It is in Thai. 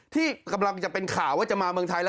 ที่กำลังจะเป็นข่าวว่าจะมาเมืองไทยแล้ว